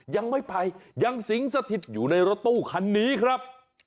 ยังไม่ไปยังสิงสถิตอยู่ในรถตู้คันนี้ครับ